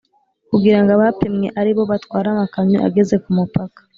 kugira ngo abapimwe ari bo batwara amakamyo ageze ku mupaka